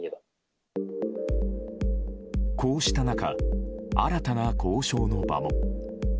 こうした中、新たな交渉の場も。